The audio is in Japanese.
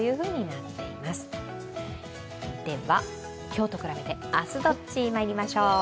今日と比べて明日どっち、まいりましょう。